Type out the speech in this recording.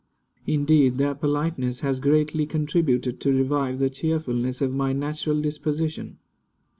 Indeed, their politeness has greatly contributed to revive the cheerfulness of my natural disposition.